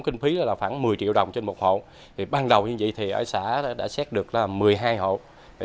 kinh phí là khoảng một mươi triệu đồng trên một hộ thì ban đầu như vậy thì ở xã đã xét được là một mươi hai hộ